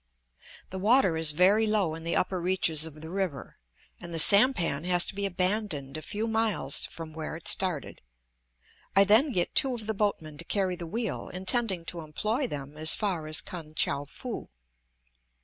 The water is very low in the upper reaches of the river, and the sampan has to be abandoned a few miles from where it started. I then get two of the boatmen to carry the wheel, intending to employ them as far as Kan tchou foo.